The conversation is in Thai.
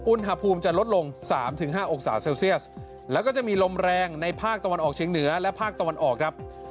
อุณหภูมิจะลดลง๓๕องศาเซลเซียสแล้วก็จะมีลมแรงในภาคตะวันออกเชียงเหนือและภาคตะวันออกครับ